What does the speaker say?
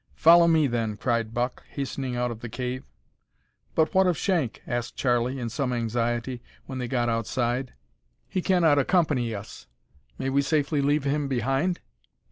"Follow me, then," cried Buck, hastening out of the cave. "But what of Shank?" asked Charlie, in some anxiety, when they got outside. "He cannot accompany us; may we safely leave him behind?"